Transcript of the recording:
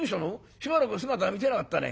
しばらく姿見せなかったね」。